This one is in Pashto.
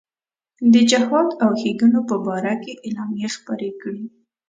د جهاد او ښېګڼو په باره کې اعلامیې خپرې کړې.